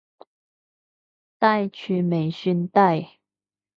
低處未算低